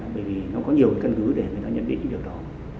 bởi vì nó có nhiều căn cứ để nó nhận định được đó